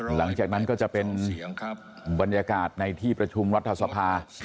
หลังจากนั้นก็จะเป็นบรรยากาศในที่ประชุมรัฐสภา